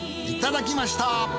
いただきました！